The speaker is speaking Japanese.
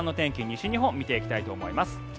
西日本見ていきたいと思います。